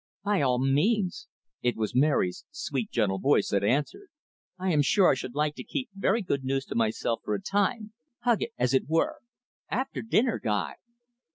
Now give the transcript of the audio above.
"By all means." It was Mary's sweet, gentle voice that answered. "I am sure I should like to keep very good news to myself for a time; hug it as it were. After dinner, Guy!"